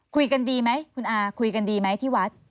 คุยกันดีไหมคุณอาคุยกันดีไหมที่วัด